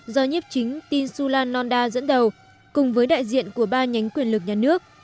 do nhiếp chính tinsulanonda dẫn đầu cùng với đại diện của ba nhánh quyền lực nhà nước